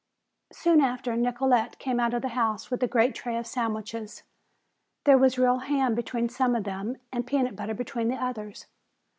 Soon after Nicolete came out of the house with a great tray of sandwiches. There was real ham between some of them and peanut butter between the others.